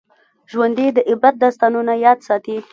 ژوندي د عبرت داستانونه یاد ساتي